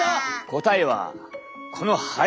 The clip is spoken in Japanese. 答えはこの肺！